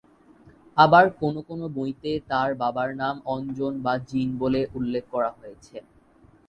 আবার কোনো কোনো বইতে তাঁর বাবার নাম অঞ্জন বা জিন বলে উল্লেখ করা হয়েছে।